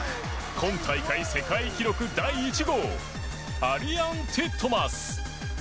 今大会世界記録第１号アリアン・ティットマス。